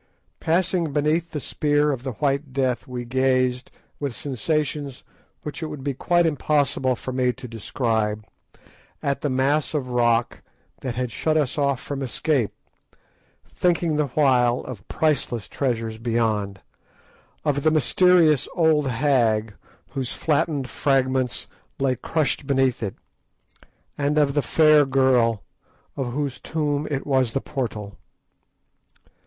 Passing beneath the spear of the White Death we gazed, with sensations which it would be quite impossible for me to describe, at the mass of rock that had shut us off from escape, thinking the while of priceless treasures beyond, of the mysterious old hag whose flattened fragments lay crushed beneath it, and of the fair girl of whose tomb it was the portal.